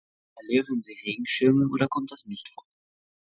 Verlieren Sie Regenschirme? Oder kommt das nicht vor.